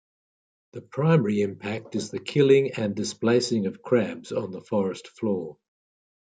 The primary impact is the killing and displacing of crabs on the forest floor.